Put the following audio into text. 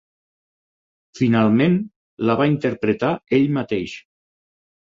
Finalment la va interpretar ell mateix.